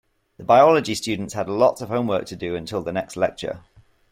The biology students had lots of homework to do until the next lecture.